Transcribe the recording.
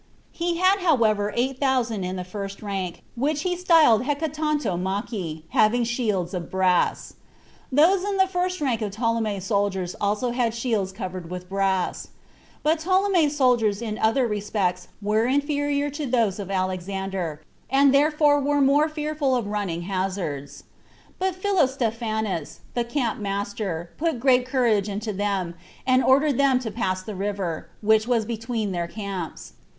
He had however eight thousand in the first rank, which he styled Hecatontomachi, having shields of brass. Those in the first rank of Ptolemy's soldiers also had shields covered with brass. But Ptolemy's soldiers in other respects were inferior to those of Alexander, and therefore were more fearful of running hazards; but Philostephanus, the camp master, put great courage into them, and ordered them to pass the river, which was between their camps.